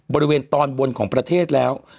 บริเวณตอนบนของประเทศแล้ว